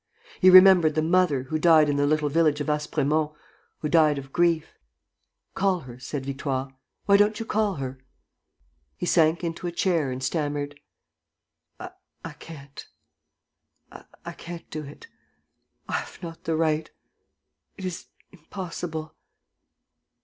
He remembered the mother, who died in the little village of Aspremont, who died of grief. "Call her," said Victoire. "Why don't you call her?" He sank into a chair and stammered: "I can't. ... I can't do it. ... I have not the right. ... It is impossible.